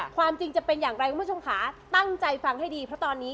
ความจริงจะเป็นอย่างไรคุณผู้ชมค่ะตั้งใจฟังให้ดีเพราะตอนนี้